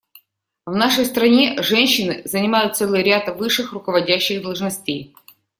В нашей стране женщины занимают целый ряд высших руководящих должностей.